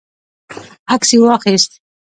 عکس یې واخیست.